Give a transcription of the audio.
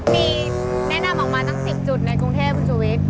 มีแนะนำออกมาตั้ง๑๐จุดในกรุงเทพคุณชูวิทย์